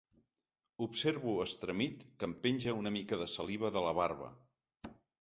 Observo, estremit, que em penja una mica de saliva de la barba.